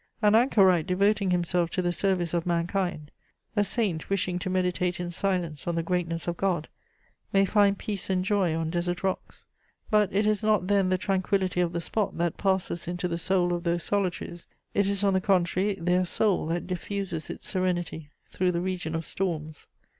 An anchorite devoting himself to the service of mankind, a saint wishing to meditate in silence on the greatness of God, may find peace and joy on desert rocks; but it is not then the tranquillity of the spot that passes into the soul of those solitaries: it is, on the contrary, their soul that diffuses its serenity through the region of storms....